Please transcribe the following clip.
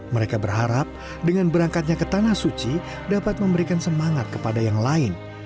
mereka berharap dengan berangkatnya ke tanah suci dapat memberikan semangat kepada yang lain